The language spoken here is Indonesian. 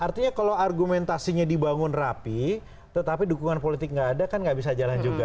artinya kalau argumentasinya dibangun rapi tetapi dukungan politik nggak ada kan nggak bisa jalan juga